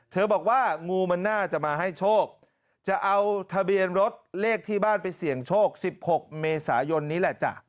บอกว่างูมันน่าจะมาให้โชคจะเอาทะเบียนรถเลขที่บ้านไปเสี่ยงโชค๑๖เมษายนนี้แหละจ้ะ